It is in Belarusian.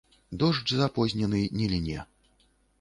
Дождж запознены не ліне.